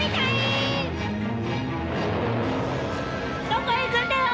どこへ行くんだよ！